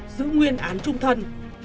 giữ nguyên án chung thân